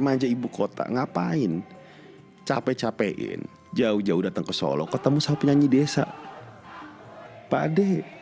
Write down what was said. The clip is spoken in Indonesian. remaja ibu kota ngapain capek capekin jauh jauh datang ke solo ketemu sama penyanyi desa pak ade